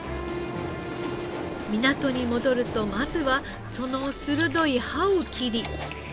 港に戻るとまずはその鋭い歯を切り。